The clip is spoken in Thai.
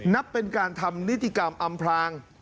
นับเป็นการทำนิติกรรมอำพลาง